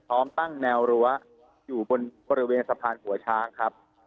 พร้อมตั้งแนวรั้วอยู่บนบริเวณสะพานหัวช้างครับ